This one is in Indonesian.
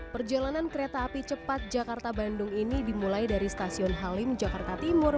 perjalanan kereta api cepat jakarta bandung ini dimulai dari stasiun halim jakarta timur